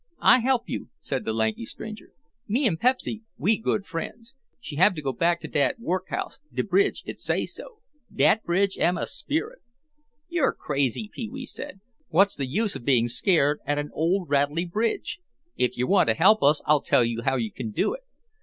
"I help you," said the lanky stranger; "me'n Pepsy, we good friends. She hab to go back to dat workhouse, de bridge it say so. Dat bridge am a sperrit." "You're crazy," Pee wee said. "What's the use of being scared at an old rattly bridge. If you want to help us I'll tell you how you can do it.